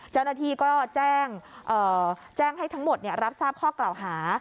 เจ้าหน้าที่ก็แจ้งให้ทั้งหมดรับทราบข้อกล่าวหา